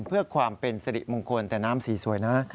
เพื่อความเป็นสิริมงคลแต่น้ำสีสวยนะ